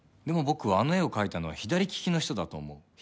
でも僕はあの絵を描いたのは左利きの人だと思う。